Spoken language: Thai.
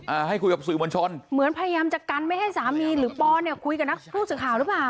อ่าให้คุยกับสื่อมวลชนเหมือนพยายามจะกันไม่ให้สามีหรือปอเนี่ยคุยกับนักผู้สื่อข่าวหรือเปล่า